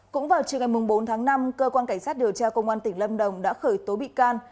cũng vào chiều ngày bốn tháng năm cơ quan cảnh sát điều tra công an tỉnh lâm đồng đã khởi tố bị can